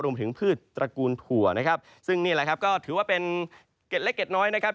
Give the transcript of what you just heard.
พืชตระกูลถั่วนะครับซึ่งนี่แหละครับก็ถือว่าเป็นเก็ดเล็กเกร็ดน้อยนะครับ